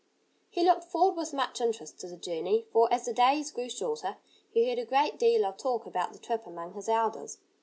He looked forward with much interest to the journey, for as the days grew shorter he heard a great deal of talk about the trip among his elders.